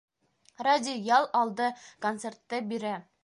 Радио ял алды концерты бирә.